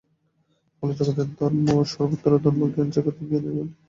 ফলে জগতের সর্বত্র ধর্মজ্ঞান ও জাগতিক জ্ঞানের মধ্যে একটা বিরোধ লাগিয়াই আছে।